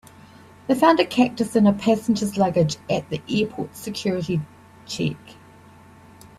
They found a cactus in a passenger's luggage at the airport's security check.